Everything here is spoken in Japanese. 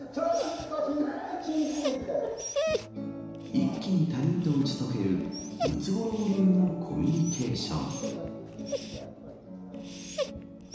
一気に他人と打ち解けるムツゴロウ流のコミュニケーション。